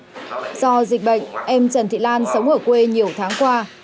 do dịch bệnh em trần thị lan sống ở quê nhiều tháng qua